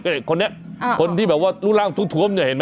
เอ๊ะคนนี้คนที่แบบว่าลูกร่างทุกมันเห็นไหม